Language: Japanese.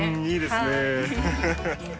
いいですね。